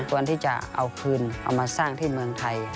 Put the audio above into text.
ควรที่จะเอาคืนเอามาสร้างที่เมืองไทย